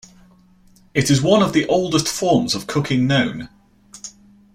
It is one of the oldest forms of cooking known.